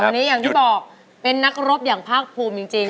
อันนี้อย่างที่บอกเป็นนักรบอย่างภาคภูมิจริง